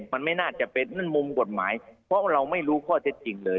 มันไม่น่าจะเป็นนั่นมุมกฎหมายเพราะเราไม่รู้ข้อเท็จจริงเลย